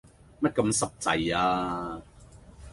乜咁濕滯呀？